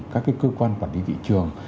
các cái cơ quan quản lý thị trường